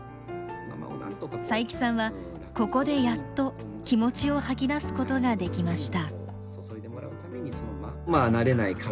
佐伯さんはここでやっと気持ちを吐き出すことができました。